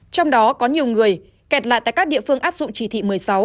trong đó có nhiều người kẹt lại tại các địa phương áp dụng chỉ thị một mươi sáu